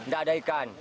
nggak ada ikan